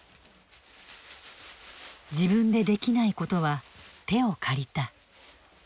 自分でできないことは手を借りた。